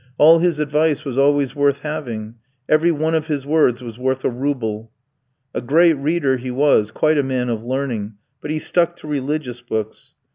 All his advice was always worth having; every one of his words was worth a rouble. A great reader he was, quite a man of learning; but he stuck to religious books.